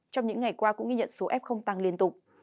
trong những ngày qua cũng ghi nhận số f không tăng liên tục